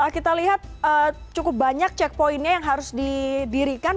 kita lihat cukup banyak checkpoint nya yang harus didirikan